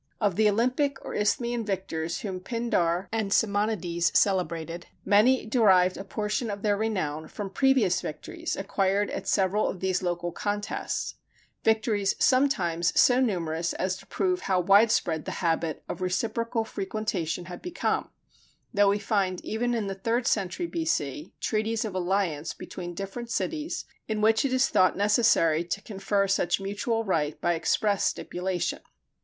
Of the Olympic or Isthmian victors whom Pindar and Simonides celebrated, many derived a portion of their renown from previous victories acquired at several of these local contests victories sometimes so numerous as to prove how widespread the habit of reciprocal frequentation had become: though we find, even in the third century B.C., treaties of alliance between different cities in which it is thought necessary to confer such mutual right by express stipulation.